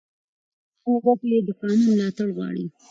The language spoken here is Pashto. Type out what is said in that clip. عامه ګټې د قانون ملاتړ غواړي.